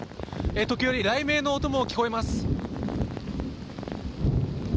時折、雷鳴の音も聞こえます。